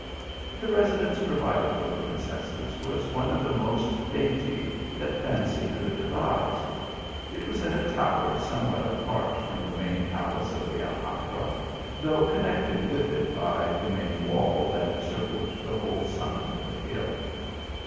The residence provided for the princesses, was one of the most dainty that fancy could devise. It was in a tower somewhat apart from the main palace of the Alhambra, though connected with it by the main wall that encircled the whole summit of the hill.